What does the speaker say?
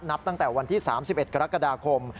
นับตั้งแต่วันที่๓๑กรกฎาคม